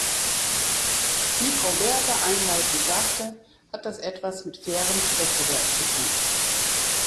Wie Frau Berger einleitend sagte, hat das etwas mit fairem Wettbewerb zu tun.